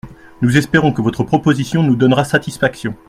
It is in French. Nous espérons que votre proposition nous donnera satisfaction.